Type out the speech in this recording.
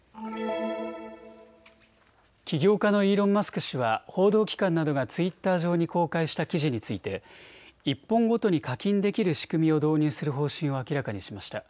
起業家のイーロンマスク氏は報道機関などがツイッター上に公開した記事について１本ごとに課金できる仕組みを導入する方針を明らかにしました。